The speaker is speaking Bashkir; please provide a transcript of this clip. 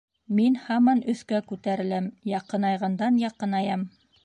Мин һаман өҫкә күтәреләм, яҡынайғандан-яҡынаям.